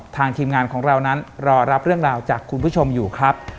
ทีมงานของเรานั้นรอรับเรื่องราวจากคุณผู้ชมอยู่ครับ